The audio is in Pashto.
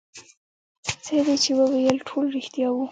څه دې چې وويل ټول رښتيا وو.